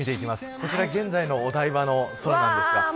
こちら現在のお台場の空です。